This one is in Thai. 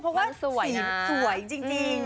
เพราะว่าสวยสวยจริง